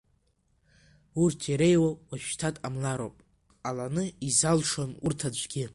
Урҭ иреиуоу уажәшьҭа дҟамлароуп, дҟаланы изалшом урҭ аӡәгьы.